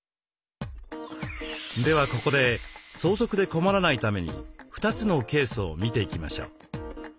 ではここで相続で困らないために２つのケースを見ていきましょう。